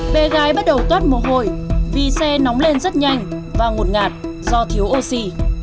bé gái bắt đầu toát mồ hôi vì xe nóng lên rất nhanh và ngụt ngạt do thiếu oxy